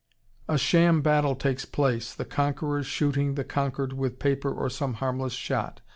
"A sham battle takes place, the conquerors shooting the conquered with paper or some harmless shot.